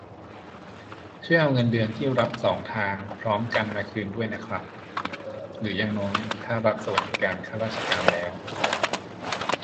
ช่วยเอาเงินเดือนที่รับสองทางพร้อมกันมาคืนด้วยนะครับ หรืออย่างน้อยถ้ารับสวัสดิการข้าราชการแล้ว